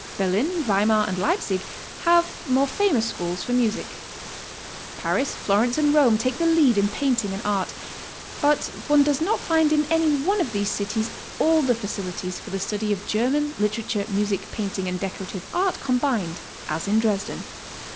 Berlin, Weimar and Leipsic have more famous schools for music. Paris, Florence and Rome take the lead in painting and art. But one does not find in any one of these cities all the facilities for the study of German, literature, music, painting, and decorative art combined as in Dresden.